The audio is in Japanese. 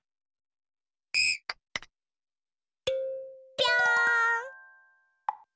ぴょん！